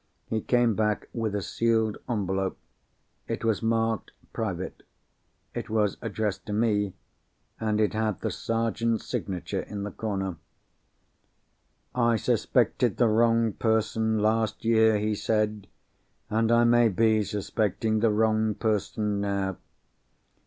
He came back with a sealed envelope. It was marked "Private;" it was addressed to me; and it had the Sergeant's signature in the corner. "I suspected the wrong person, last year," he said: "and I may be suspecting the wrong person now.